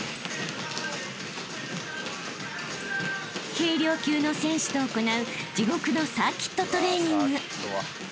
［軽量級の選手と行う地獄のサーキットトレーニング］